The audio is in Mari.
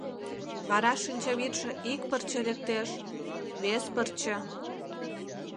Вара шинчавӱдшӧ ик пырче лектеш, вес пырче...